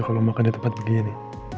kalau makan di tempat begini